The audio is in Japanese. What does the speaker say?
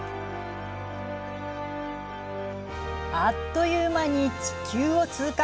あっという間に地球を通過。